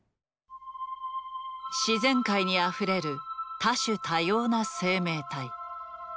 自然界にあふれる多種多様な生命体。